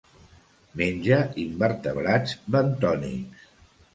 Menja invertebrats bentònics.